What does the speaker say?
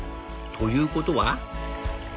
ということは。